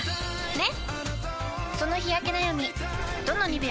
ねっ！